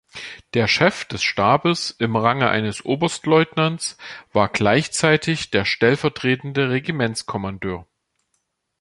Der Chef des Stabes im Range eines Oberstleutnants war gleichzeitig der stellvertretende Regimentskommandeur.